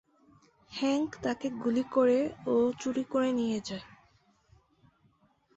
Henk তাকে গুলি করে ও চুরি করে নিয়ে যায়।